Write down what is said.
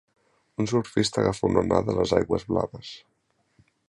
Un surfista agafa una onada a les aigües blaves.